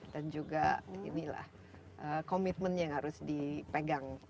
dan juga komitmennya yang harus dipegang